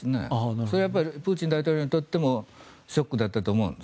それはプーチン大統領にとってもショックだったと思うんです。